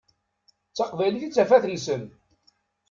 D taqbaylit i d tafat-nsen.